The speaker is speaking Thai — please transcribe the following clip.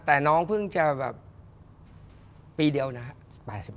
แต่น้องเพิ่งจะแบบปีเดียวนะครับ